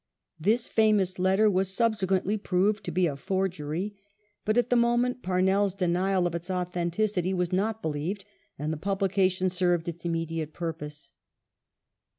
This famous letter was subsequently proved to be a forgery ; but, at the moment, Parnell' s denial of its authenticity was not believed, and the publication served its immediate purpose.